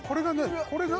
これ何？